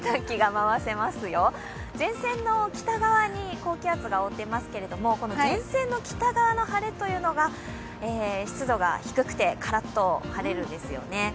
前線の北側に高気圧がありますけれども、前線の北側の晴れというのが湿度が低くて、からっと晴れるんですよね。